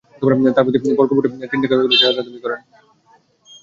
তাঁরা প্রতি বর্গফুট পাথরের জন্য তিন টাকা করে চাঁদা দাবি করেন।